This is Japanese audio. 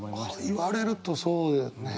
言われるとそうだよね。